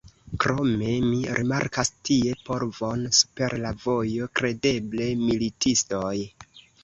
Krome, mi rimarkas tie polvon super la vojo: kredeble, militistoj!